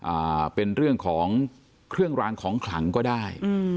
อ่าเป็นเรื่องของเครื่องรางของขลังก็ได้อืม